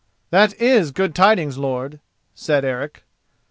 "That is good tidings, lord," said Eric.